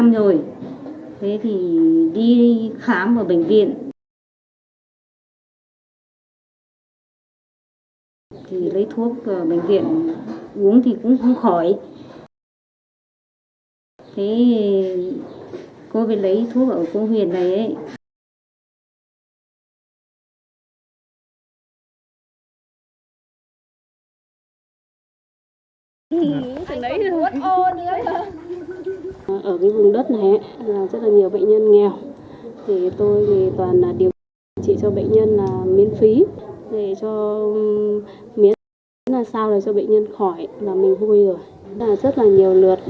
nhiều lượt bệnh nhân đến khám và điều trị để bốc thuốc và uống thuốc